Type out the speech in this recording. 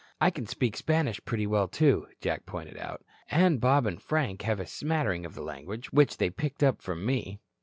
"I can speak Spanish pretty well, too," Jack pointed out. "And Bob and Frank have a smattering of the language, which they picked up from me."